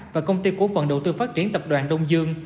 và công ty cổ phần đầu tư phát triển tập đoàn đông dương